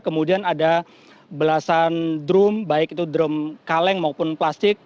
kemudian ada belasan drum baik itu drum kaleng maupun plastik